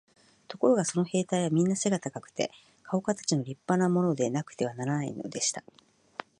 ところがその兵隊はみんな背が高くて、かおかたちの立派なものでなくてはならないのでした。